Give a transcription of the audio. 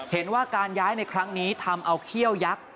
เห็นว่าการย้ายในครั้งนี้ทำเอาเขี้ยวยักษ์